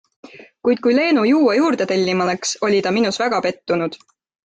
Kuid kui Leenu juua juurde tellima läks, oli ta minus väga pettunud.